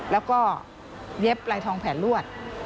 แล้วก็เย็บลายทองแผนลวด